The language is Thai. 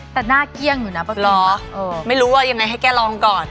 แต่หน้าเกลี้ยงอยู่นะล้อไม่รู้ว่ายังไงให้แกลองก่อน